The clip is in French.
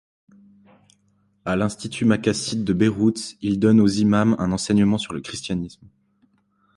À l'Institut Maqasid de Beyrouth il donne aux imams un enseignement sur le christianisme.